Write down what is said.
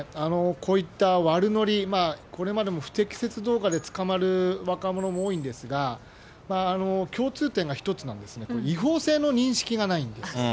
こういった悪乗り、これまでも不適切動画で捕まる若者も多いんですが、共通点が一つなんですね、違法性の認識がないんです。